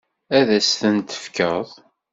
Ad as-ten-tefkeḍ?